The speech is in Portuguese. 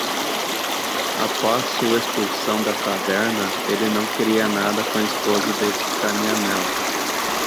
Após sua expulsão da taverna, ele não queria nada com a esposa de Canyamel.